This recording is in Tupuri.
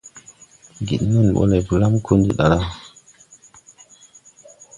Ŋgid nen ɓɔ le blam ko ndi ɗa la.